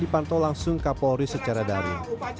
dipantau langsung ke polri secara dari